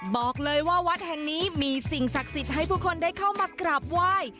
บอกเลยว่าวัดแห่งนี้มีสิ่งศักดิ์สิทธิ์ให้ผู้คนได้เข้ามากราบไหว้